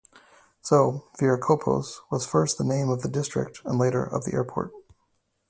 So "Viracopos" was first the name of the district and later of the airport.